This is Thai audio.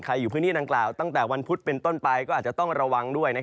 อยู่พื้นที่ดังกล่าวตั้งแต่วันพุธเป็นต้นไปก็อาจจะต้องระวังด้วย